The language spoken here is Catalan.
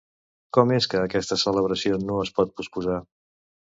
Com és que aquesta celebració no es pot posposar?